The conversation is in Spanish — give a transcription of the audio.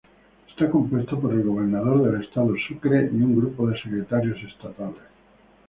Está compuesto por el Gobernador del Estado Sucre y un grupo de Secretarios Estatales.